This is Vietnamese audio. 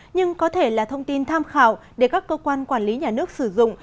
nhưng có thể là thông tin tham khảo để các cơ quan quản lý nhà nước sử dụng